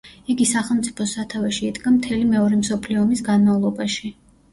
იგი სახელმწიფოს სათავეში იდგა მთელი მეორე მსოფლიო ომის განმავლობაში.